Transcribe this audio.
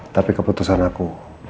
tapi keputusan aku